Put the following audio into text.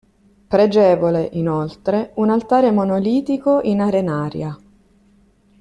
Pregevole, inoltre, un altare monolitico in arenaria.